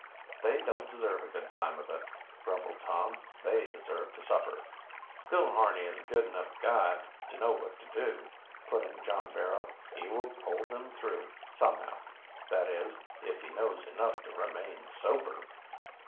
"They don't deserve a good time of it," grumbled Tom. "They deserve to suffer." "Bill Harney is a good enough guide to know what to do," put in John Barrow. "He will pull them through somehow that is, if he knows enough to remain sober."